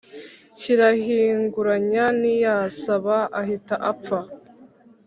kirahinguranya ntiyasamba ahita apfa